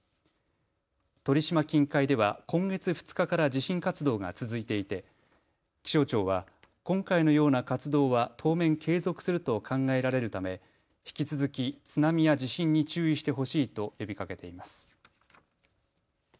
鳥島近海では今月２日から地震活動が続いていて気象庁は今回のような活動は当面継続すると考えられるため引き続き津波や地震に注意してほしいと呼びかけています。